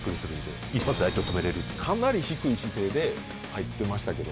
かなり低い姿勢で入ってましたけども。